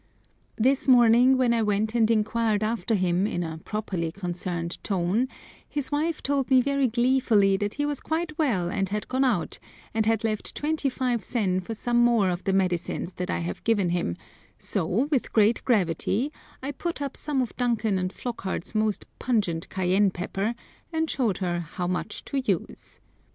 This morning when I went and inquired after him in a properly concerned tone, his wife told me very gleefully that he was quite well and had gone out, and had left 25 sen for some more of the medicines that I had given him, so with great gravity I put up some of Duncan and Flockhart's most pungent cayenne pepper, and showed her how much to use.